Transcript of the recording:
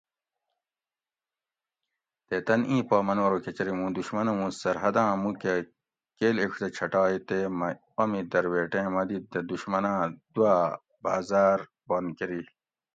تے تن اِیں پا منو ارو کچری موں دشمنہ موں سرحداں موکہ کیل ایڄ دہ چھٹائے تے مہ امی درویٹیں مدِد دہ دُشمناں دوآ بازار بند کۤری